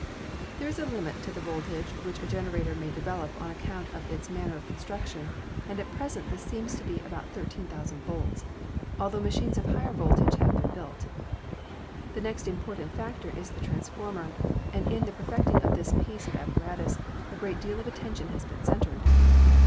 There is a limit to the voltage which a generator may develop on account of its manner of construction, and at present this seems to be about 13,000 volts, altho machines of higher voltage have been built. The next important factor is the transformer, and in the perfecting of this piece of apparatus a great deal of attention has been centered.